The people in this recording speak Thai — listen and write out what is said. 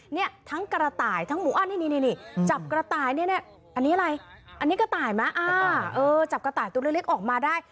เนี่ยทั้งกระต่ายทั้งหมูอั้นนี่จับกระต่ายเนี่ยอันนี้อะไรอันนี้กระต่ายไหมจับกระต่ายตัวเล็กออกมาได้